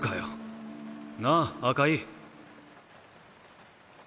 なァ赤井。